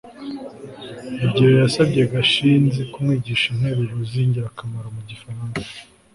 rugeyo yasabye gashinzi kumwigisha interuro zingirakamaro mu gifaransa